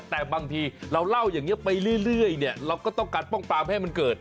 แต่บางทีเราเล่าอย่างนี้ไปเรื่อยเนี่ยเราก็ต้องการป้องปรามให้มันเกิด